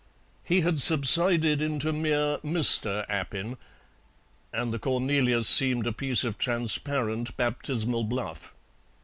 He had subsided into mere Mr. Appin, and the Cornelius seemed a piece of transparent baptismal bluff.